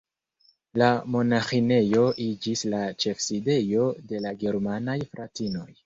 La monaĥinejo iĝis la ĉefsidejo de la germanaj fratinoj.